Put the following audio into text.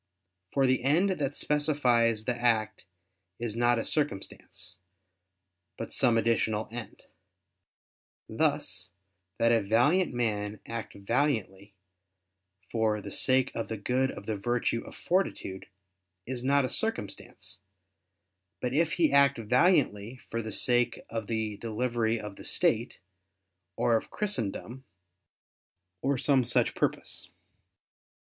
For the end that specifies the act is not a circumstance, but some additional end. Thus, that a valiant man act valiantly for the sake of the good of the virtue o[f] fortitude, is not a circumstance; but if he act valiantly for the sake of the delivery of the state, or of Christendom, or some such purpose.